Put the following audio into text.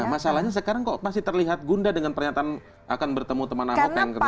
masalahnya sekarang kok masih terlihat gunda dengan pernyataan akan bertemu teman ahok yang ke depan